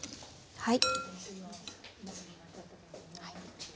はい。